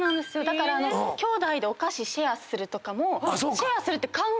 だからきょうだいでお菓子シェアするとかも。